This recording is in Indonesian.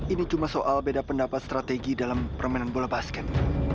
ini cuma soal beda pendapat strategi dalam permainan bola basket